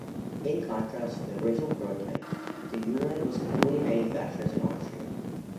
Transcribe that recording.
In contrast to the original prototypes, the "Ulan" was completely manufactured in Austria.